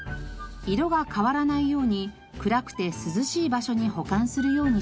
色が変わらないように暗くて涼しい場所に保管するようにしましょう。